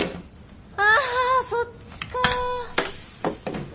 あそっちかあ。